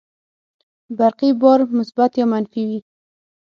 برقي بار مثبت یا منفي وي.